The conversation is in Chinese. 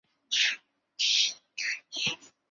正副社长限定